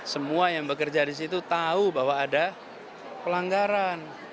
semua yang bekerja disitu tahu bahwa ada pelanggaran